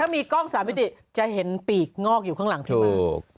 มีกล้อง๓มิติจะเห็นปีกงอกอยู่ข้างหลังพี่มา